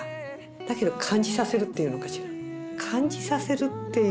だけど感じさせるっていうのかしら。